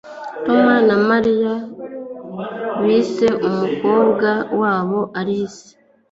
Tom na Mariya bise umukobwa wabo Alice